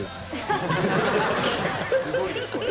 すごいですこれ。